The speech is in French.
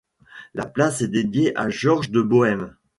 La place est dédiée à Georges de Bohême.